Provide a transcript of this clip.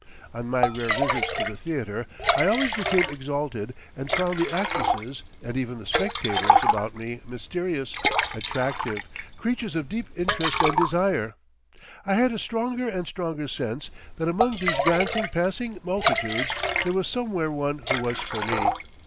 On my rare visits to the theatre I always became exalted, and found the actresses and even the spectators about me mysterious, attractive, creatures of deep interest and desire. I had a stronger and stronger sense that among these glancing, passing multitudes there was somewhere one who was for me.